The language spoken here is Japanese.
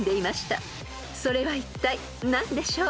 ［それはいったい何でしょう］